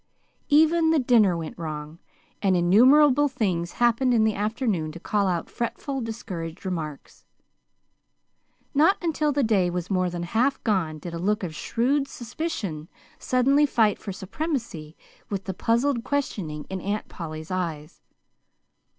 Even the dinner went wrong, and innumerable things happened in the afternoon to call out fretful, discouraged remarks. Not until the day was more than half gone did a look of shrewd suspicion suddenly fight for supremacy with the puzzled questioning in Aunt Polly's eyes.